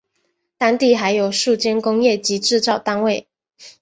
当地还有数间工业及制造单位。